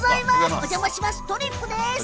お邪魔します、とりっぷです。